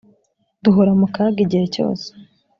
duhora mu kaga igihe cyose